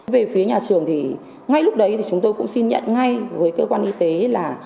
về phía nhà trường thì ngay lúc đấy thì chúng tôi cũng xin nhận ngay với cơ quan y tế là